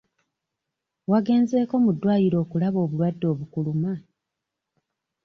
Wagenzeeko mu ddwaliro okulaba obulwadde obukuluma?